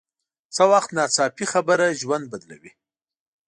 څه وخت ناڅاپي خبره ژوند بدلوي